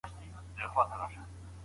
ساینس پوهنځۍ په بیړه نه بشپړیږي.